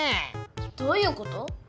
どういうこと？